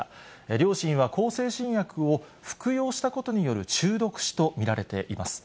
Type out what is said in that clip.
両親は向精神薬を服用したことによる中毒死と見られています。